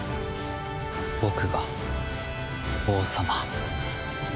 僕が王様。